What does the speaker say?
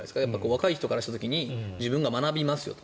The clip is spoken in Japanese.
若い人からした時に自分が学ぶますよと。